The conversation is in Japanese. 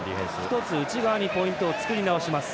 内側にポイントを作り直します。